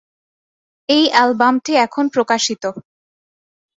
এই অ্যালবামটি এখন প্রকাশিত।